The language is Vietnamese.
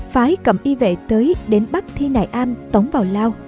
phái cầm y vệ tới đến bắt thi nại am tống vào lao